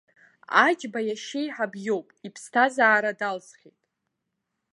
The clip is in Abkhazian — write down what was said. Аџьба иашьеиҳаб иоуп, иԥсҭазаара далҵхьеит.